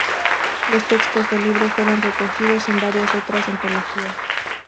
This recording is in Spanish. Los textos del libro fueron recogidos en varias otras antologías.